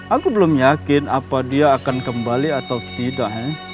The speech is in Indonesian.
aku belum yakin apa dia akan kembali atau tidak